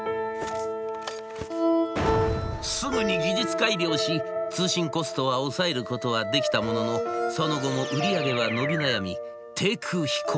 すぐに技術改良し通信コストは抑えることはできたもののその後も売り上げは伸び悩み低空飛行は続きます。